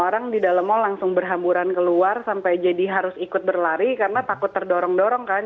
orang di dalam mall langsung berhamburan keluar sampai jadi harus ikut berlari karena takut terdorong dorong kan